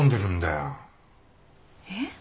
えっ？